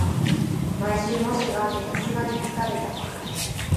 毎週、模試があってさすがに疲れた